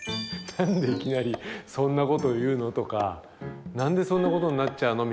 「何でいきなりそんなこと言うの？」とか「何でそんなことになっちゃうの？」